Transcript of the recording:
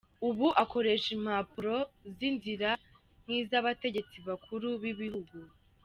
Ubu akoresha impapuro z'inzira nk'iz'abategetsi bakuru b'ibihugu.